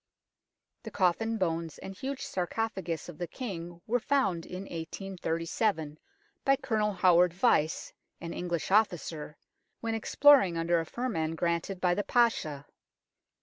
The coffin, bones, and huge sarcophagus of the King were found in 1837 by Colonel Howard Vyse, an English officer, when exploring under a firman granted by the Pasha.